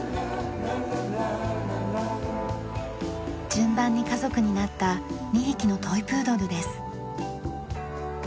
順番に家族になった２匹のトイプードルです。